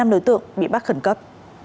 năm đối tượng bị bắt khẩn cấp